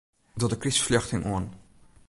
Doch de krystferljochting oan.